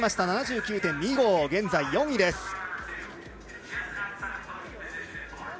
７９．２５で現在４位です